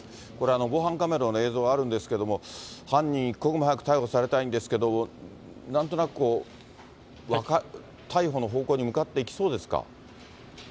防犯カメラの映像があるんですけど、犯人、一刻も早く逮捕されたいんですけれども、なんとなく逮捕の方向に向かっていきそうですか。